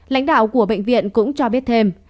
lãnh đạo của bệnh viện cũng cho biết thêm